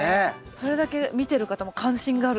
それだけ見てる方も関心がある方が。